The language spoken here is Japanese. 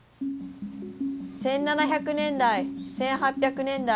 １７００年代１８００年代